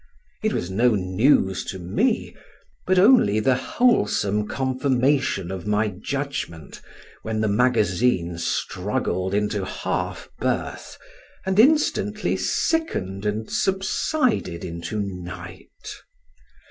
It was no news to me, but only the wholesome confirmation of my judgment, when the magazine struggled into half birth, and instantly sickened and subsided into night.